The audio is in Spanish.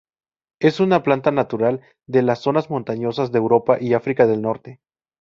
Es una planta natural de las zonas montañosas de Europa y África del Norte.